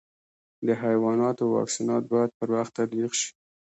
د حیواناتو واکسینات باید پر وخت تطبیق شي.